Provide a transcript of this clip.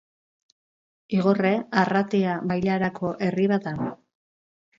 Igorre Arratia bailarako herri bat da.